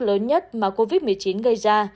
lớn nhất mà covid một mươi chín gây ra